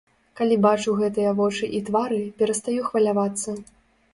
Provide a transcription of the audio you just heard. Калі бачу гэтыя вочы і твары, перастаю хвалявацца.